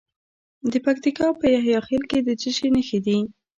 د پکتیکا په یحیی خیل کې د څه شي نښې دي؟